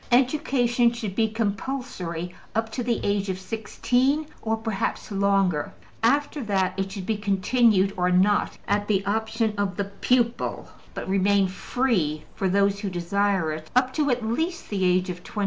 Education should be compulsory up to the age of 16, or perhaps longer; after that, it should be continued or not at the option of the pupil, but remain free (for those who desire it) up to at least the age of 21.